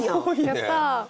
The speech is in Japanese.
やった。